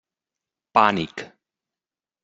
Pànic.